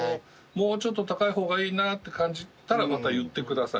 もうちょっと高い方がいいなって感じたらまた言ってください。